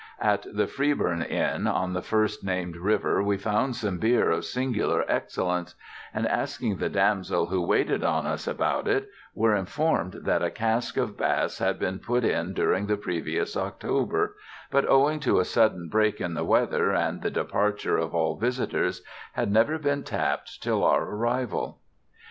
At the Freeburn Inn on the first named river we found some beer of singular excellence: and, asking the damsel who waited on us about it, were informed that a cask of Bass had been put in during the previous October, but, owing to a sudden break in the weather and the departure of all visitors, had never been tapped till our arrival.